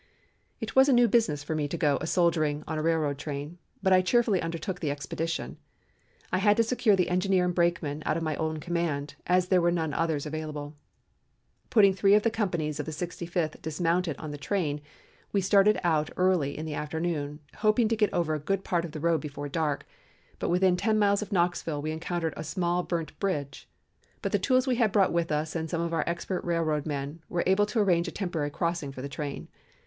"It was a new business for me to go a soldiering on a railroad train, but I cheerfully undertook the expedition. I had to secure the engineer and brakemen out of my own command, as there were none others available. Putting three of the companies of the Sixty fifth dismounted on the train, we started out early in the afternoon, hoping to get over a good part of the road before dark, but within ten miles of Knoxville we encountered a small bridge burnt, but with the tools we had brought with us some of our expert railroad men were able to arrange a temporary crossing for the train.